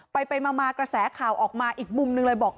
ไปมากระแสข่าวออกมาอีกมุมนึงเลยบอก